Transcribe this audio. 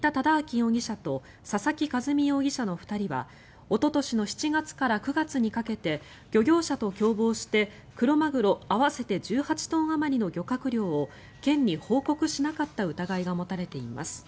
容疑者と佐々木一美容疑者の２人はおととしの７月から９月にかけて漁業者と共謀してクロマグロ合わせて１８トンあまりの漁獲量を県に報告しなかった疑いが持たれています。